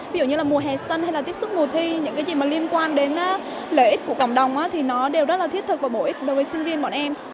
ví dụ như là mùa hè xanh hay là tiếp xúc mùa thi những cái gì mà liên quan đến lợi ích của cộng đồng thì nó đều rất là thiết thực và bổ ích đối với sinh viên bọn em